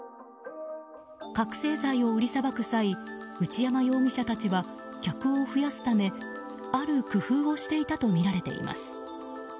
覚醒剤を売りさばく際内山容疑者たちは客を増やすため、ある工夫をしていたとみられています。